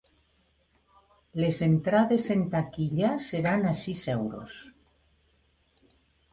Les entrades en taquilla seran a sis euros.